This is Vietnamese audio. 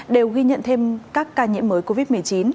đều ghi nhận thêm các ca nhiễm mới covid một mươi chín